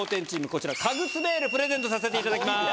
こちらカグスベールプレゼントさせていただきます。